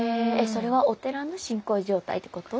それはお寺の信仰状態ってこと？